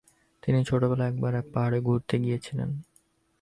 তিনি ছোটবেলায় একবার এক পাহাড়ে ঘুরতে গিয়েছিলেন।